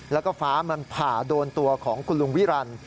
แล้วก็ฟ้ามันผ่าโดนตัวของคุณลุงวิรันดิ